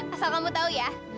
asal kamu tau ya